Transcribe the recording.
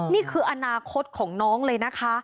นี่คืออนาคตของน้องเลยนะคะ